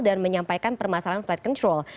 dan menyampaikan permasalahan flight control